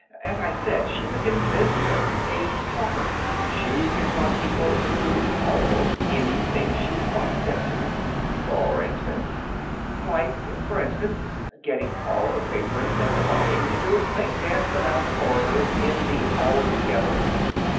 "As I said, she's a convincer. A talker. She can talk people into doing almost anything she wants them to." "For instance?" "Like, for instance, getting all the patrons at the Bali to do a snake dance around the corridors in the altogether.